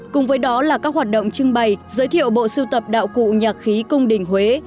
cùng với đó là các hoạt động trưng bày giới thiệu bộ sưu tập đạo cụ nhạc khí cung đình huế